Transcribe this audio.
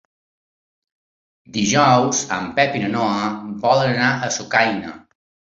Dijous en Pep i na Noa volen anar a Sucaina.